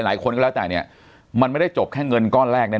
หลายคนก็แหละแต่มันไม่ได้จบแค่เงินก้อนแรกแน่